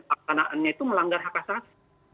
aksanaannya itu melanggar hak asasi